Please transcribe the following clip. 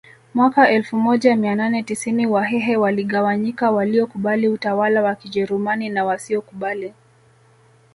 Mwaka elfu moja mia nane tisini wahehe waligawanyika waliokubali utawala wa kijerumani na wasiokubali